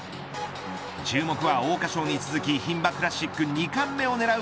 注目は桜花賞に続き牝馬クラシック二冠目を狙う